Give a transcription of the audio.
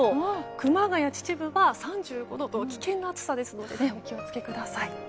熊谷、秩父は３５度と危険な暑さですのでお気をつけください。